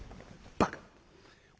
バカ